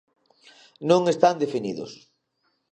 Non están definidos.